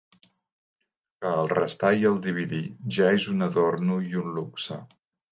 Que el restar i el dividir, ja es un adorno i un luxe.